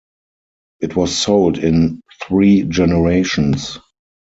It was sold in three generations.